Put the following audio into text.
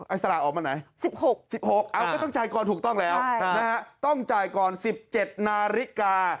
ไอ้สลากออกมาไหน๑๖นะฮะต้องจ่ายก่อนถูกต้องแล้วนะฮะต้องจ่ายก่อน๑๗นาฬิกา